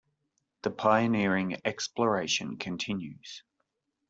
The pioneering exploration continues.